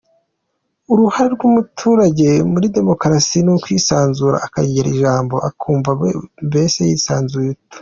uruhare rw’umuturage muri demokarasi ni ukwisanzura, akagira ijambo, akumva mbese yisanzuye tu”.